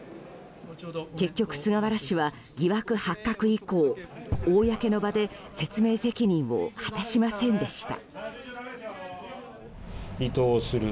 結局、菅原氏は疑惑発覚以降公の場で説明責任を果たしませんでした。